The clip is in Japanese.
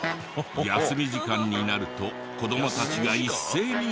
休み時間になると子どもたちが一斉に縄跳び。